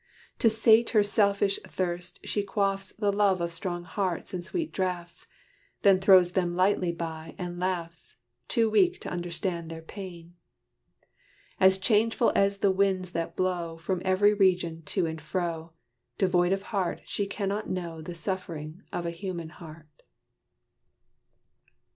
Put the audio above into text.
To sate her selfish thirst she quaffs The love of strong hearts in sweet draughts Then throws them lightly by and laughs, Too weak to understand their pain. As changeful as the winds that blow From every region, to and fro, Devoid of heart, she cannot know The suffering of a human heart.